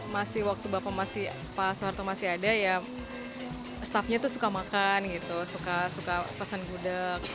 masih waktu bapak soeharto masih ada ya staffnya tuh suka makan gitu suka pesan gudeg